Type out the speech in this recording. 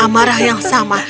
dengan amarah yang sama